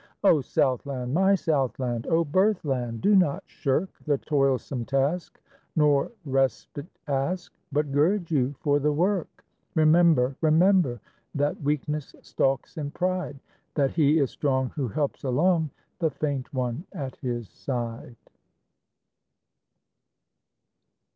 O Southland! my Southland! O birthland! do not shirk The toilsome task, nor respite ask, But gird you for the work. Remember, remember That weakness stalks in pride; That he is strong who helps along The faint one at his side.